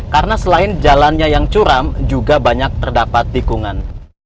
karena selain jalannya yang curam juga banyak terdapat tikungan